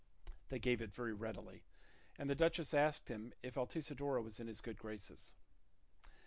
They gave it very readily, and the duchess asked him if Altisidora was in his good graces.